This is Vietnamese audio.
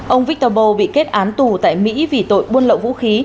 ông viktor bo bị kết án tù tại mỹ vì tội buôn lộ vũ khí